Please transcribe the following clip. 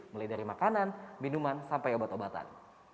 mulai dari makanan minuman sampai obat obatan